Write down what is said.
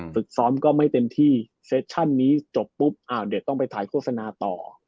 ฝึกซ้อมก็ไม่เต็มที่เซชั่นนี้จบปุ๊บเด็กต้องไปถ่ายโฆษณาต่อ